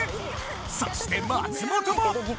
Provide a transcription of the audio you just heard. そして松本も！